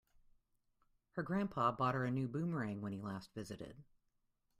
Her grandpa bought her a new boomerang when he last visited.